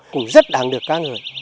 cũng rất đáng được can ngợi